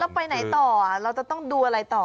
ไปไหนต่อเราจะต้องดูอะไรต่อ